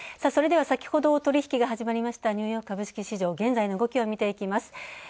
それでは先ほど取引が始まりましたニューヨーク株式市場、現在の動きを見ていきます。